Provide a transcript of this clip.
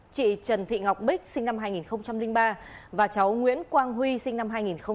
chị trần thị ngọc bích sinh năm hai nghìn ba và cháu nguyễn quang huy sinh năm hai nghìn một mươi hai